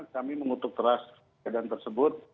kami mengutuk keras keadaan tersebut